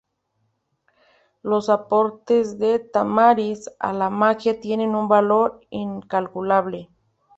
Los aportes de Tamariz a la magia tienen un valor incalculable.